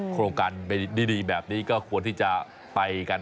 โครงการดีแบบนี้ก็ควรที่จะไปกัน